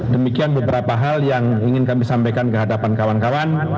demikian beberapa hal yang ingin kami sampaikan ke hadapan kawan kawan